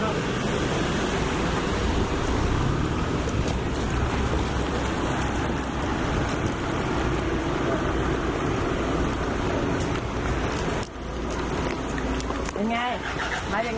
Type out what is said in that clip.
ห้าเปล่าเส้บมาก